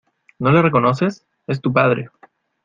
¿ no le reconoces? es tu padre.